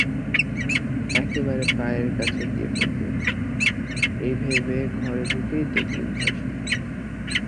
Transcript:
একেবারে পায়ের কাছে গিয়ে পড়বেন এই ভেবে ঘরে ঢুকেই দেখলেন ঘর শূন্য।